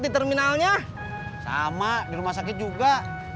di terminalnya sama di rumah sakit juga